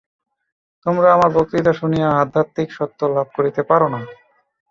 তোমরা আমার বক্তৃতা শুনিয়া আধ্যাত্মিক সত্য লাভ করিতে পার না।